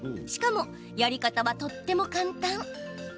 しかも、やり方はとっても簡単。